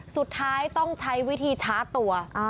สุดท้ายต้องใช้วิธีชาร์จตัว